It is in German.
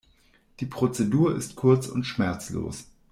Die Prozedur ist kurz und schmerzlos.